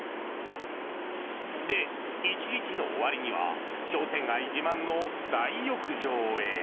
で、１日の終わりには商店街自慢の大浴場へ。